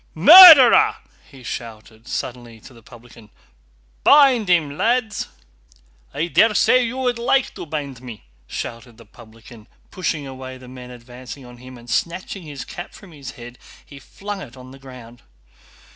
"Murderer!" he shouted suddenly to the publican. "Bind him, lads!" "I daresay you would like to bind me!" shouted the publican, pushing away the men advancing on him, and snatching his cap from his head he flung it on the ground.